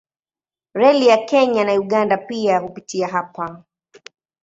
Reli ya Kenya na Uganda pia hupitia hapa.